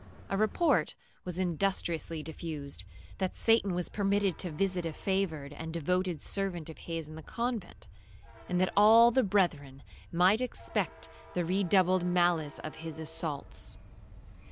A report was industriously diffused, that Satan was permitted to visit a favoured and devoted servant of his in the convent, and that all the brethren might expect the redoubled malice of his assaults.